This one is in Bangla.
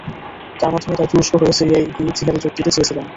তাঁর মাধ্যমে তাঁরা তুরস্ক হয়ে সিরিয়ায় গিয়ে জিহাদে যোগ দিতে চেয়েছিলেন।